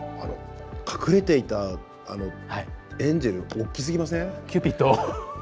隠れていたエンジェル大きすぎません？